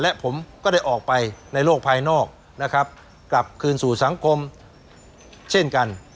และผมก็ได้ออกไปในโลกภายนอกนะครับกลับคืนสู่สังคมเช่นกัน